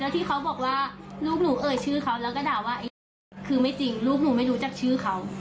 ที่เขาบอกว่าลูกหนูเอ่ยชื่อเขาแล้วก็ด่าว่าคือไม่จริงลูกหนูไม่รู้จักชื่อเขา